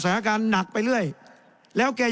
แสดงว่าความทุกข์มันไม่ได้ทุกข์เฉพาะชาวบ้านด้วยนะ